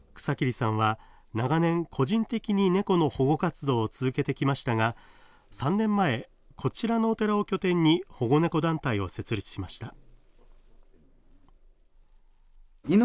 草切さんは長年、個人的に猫の保護活動を続けてきましたが、３年前、こちらのお寺を拠点に、保護猫団体を設立しました。